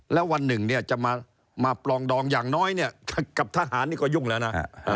แล้ววันหนึ่งจะมาปลองดองอย่างน้อยกับทหารก็ยุ่งแล้วนะ